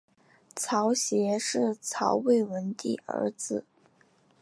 曹协是曹魏文帝儿子。